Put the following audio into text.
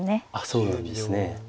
そうなんですね。